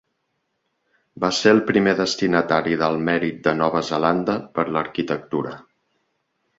Va ser el primer destinatari del mèrit de Nova Zelanda per l'arquitectura.